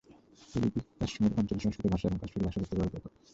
এই লিপি কাশ্মীর অঞ্চলে সংস্কৃত ভাষা এবং কাশ্মীরি ভাষা লিখতে ব্যবহৃত হত।